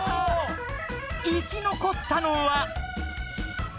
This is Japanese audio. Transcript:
生き残ったのは！